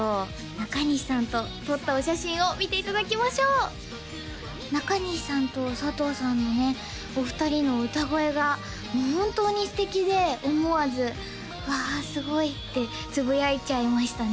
中西さんと撮ったお写真を見ていただきましょう中西さんと佐藤さんのねお二人の歌声がもう本当に素敵で思わずうわすごいってつぶやいちゃいましたね